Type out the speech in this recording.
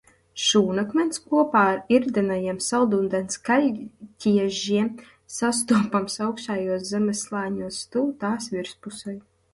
Šūnakmens kopā ar irdenajiem saldūdens kaļķiežiem sastopams augšējos zemes slāņos, tuvu tās virspusei.